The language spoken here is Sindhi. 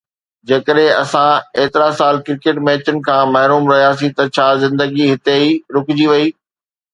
جيڪڏهن اسان ايترا سال ڪرڪيٽ ميچن کان محروم رهياسين ته ڇا زندگي هتي ئي رڪجي وئي؟